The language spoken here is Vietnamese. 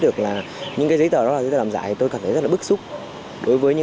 được là những cái giấy tờ đó là chúng ta làm giả thì tôi cảm thấy rất là bức xúc đối với những